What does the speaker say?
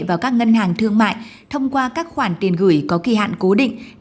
vào các ngân hàng thương mại thông qua các khoản tiền gửi có kỳ hạn cố định